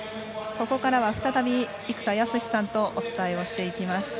ここからは再び生田泰志さんとお伝えしていきます。